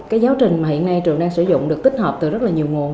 cái giáo trình mà hiện nay trường đang sử dụng được tích hợp từ rất là nhiều nguồn